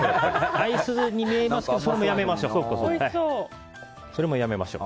アイスに見えますけどそれもやめましょう。